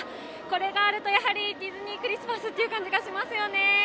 これがあると、やはりディズニークリスマスっていう感じがしますよね。